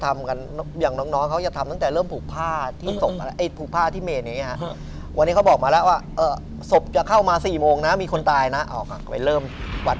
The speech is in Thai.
มูเตรูไม่เข้าใครออกใครนะครับ